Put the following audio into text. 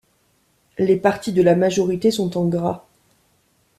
Les partis de la majorité sont en gras.